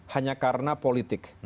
hanya karena politik